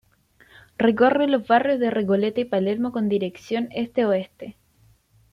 Recorre los barrios de Recoleta y Palermo con dirección este-oeste.